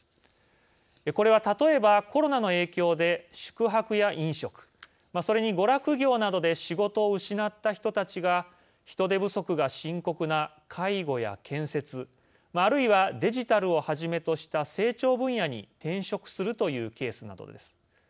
これは例えば、コロナの影響で宿泊や飲食、それに娯楽業などで仕事を失った人たちが人手不足が深刻な介護や建設あるいはデジタルをはじめとした成長分野に転職するというケースなどです。